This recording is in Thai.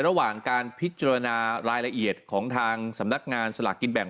ระหว่างการพิจารณารายละเอียดของทางสำนักงานสลากกินแบ่ง